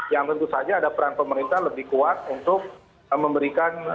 yang tentu saja ada peran pemerintah lebih kuat untuk memberikan